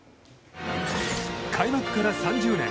開幕から３０年。